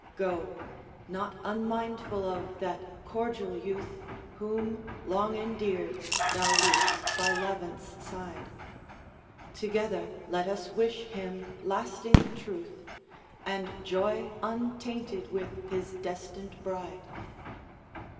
Go, not, unmindful of that cordial youth Whom, long endeared, thou leav'st by Levant's side; Together let us wish him lasting truth, And joy untainted, with his destined bride.